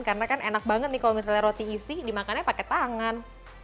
karena kan enak banget nih kalau misalnya roti isi dimakannya pakai tangan